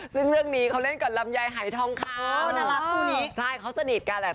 ซึ่งเรื่องนี้เขาเล่นกับลำไยหายทองคำน่ารักคู่นี้ใช่เขาสนิทกันแหละ